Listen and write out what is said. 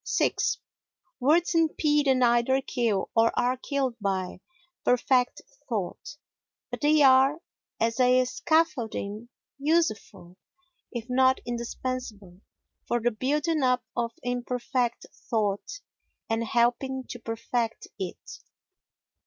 vi Words impede and either kill, or are killed by, perfect thought; but they are, as a scaffolding, useful, if not indispensable, for the building up of imperfect thought and helping to perfect it.